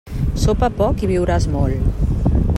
Sopa poc, i viuràs molt.